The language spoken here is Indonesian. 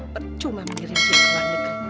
percuma menirip dia ke maneg